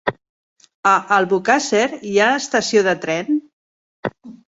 A Albocàsser hi ha estació de tren?